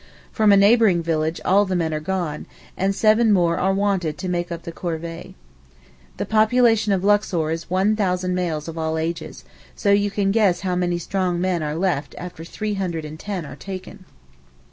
From a neighbouring village all the men are gone, and seven more are wanted to make up the corvée. The population of Luxor is 1,000 males of all ages, so you can guess how many strong men are left after three hundred and ten are taken.